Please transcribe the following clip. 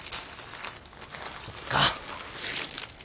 そっか。